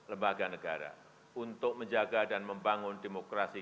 lembaga negara untuk menjaga dan membangun demokrasi